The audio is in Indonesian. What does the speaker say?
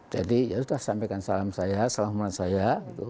jadi ya sudah sampaikan salam saya salam hormat saya